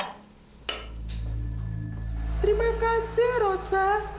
terima kasih rosa